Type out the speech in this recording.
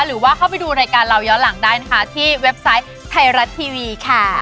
หรือว่าเข้าไปดูรายการเราย้อนหลังได้นะคะที่เว็บไซต์ไทยรัฐทีวีค่ะ